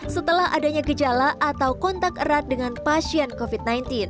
setelah adanya gejala atau kontak erat dengan pasien covid sembilan belas